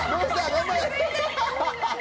頑張れ！